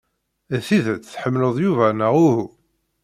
D tidet tḥemmleḍ Yuba neɣ uhu?